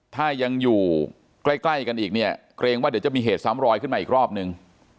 ถ้ายังอยู่ใกล้ใกล้กันอีกเนี่ยเกรงว่าเดี๋ยวจะมีเหตุซ้ำรอยขึ้นมาอีกรอบนึง